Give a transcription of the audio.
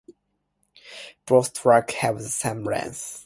Both tracks have the same length.